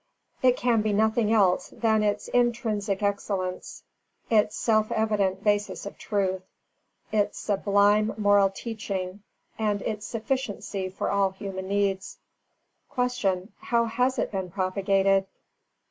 It can be nothing else than its intrinsic excellence: its self evident basis of truth, its sublime moral teaching, and its sufficiency for all human needs. 283. Q. _How has it been propagated?